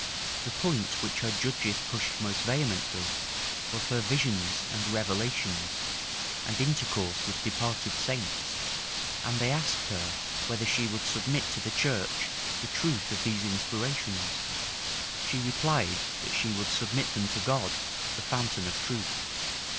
The point which her judges pushed most vehemently, was her visions and revelations, and intercourse with departed saints; and they asked her, whether she would submit to the church the truth of these inspirations: she replied, that she would submit them to God, the fountain of truth.